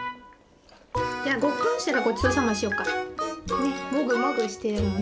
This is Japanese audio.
じゃごっくんしたらごちそうさましようか。ねもぐもぐしてるもんね。